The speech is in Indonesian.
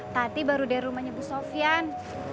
tadi baru dari rumahnya bu sofian